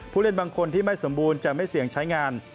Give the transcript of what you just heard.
เล่นบางคนที่ไม่สมบูรณ์จะไม่เสี่ยงใช้งาน